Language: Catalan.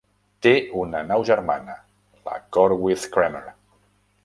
Té una nau germana, la "Corwith Cramer".